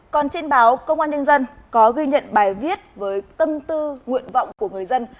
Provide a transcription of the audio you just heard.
còn trên báo công an nhân dân có ghi nhận bài viết với tâm tư nguyện vọng của người dân